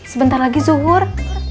sebentar lagi zuhur